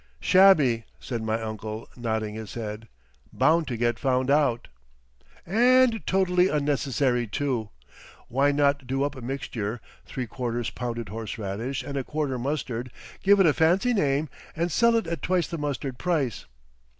'" "Shabby," said my uncle, nodding his head. "Bound to get found out!" "And totally unnecessary, too! Why not do up a mixture—three quarters pounded horseradish and a quarter mustard—give it a fancy name—and sell it at twice the mustard price.